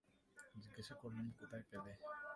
জিজ্ঞাসা করলুম, কোথায় পেলে?